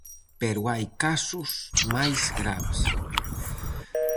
Pero hai casos máis graves.